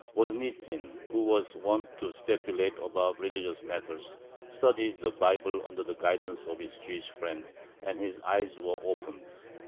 Voznitzin, who was wont to speculate about religious matters, studied the Bible under the guidance of his Jewish friend, and his eyes were opened.